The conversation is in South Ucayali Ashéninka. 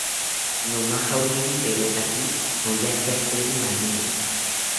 Nomajawiriperotaki noyakiatziri maniro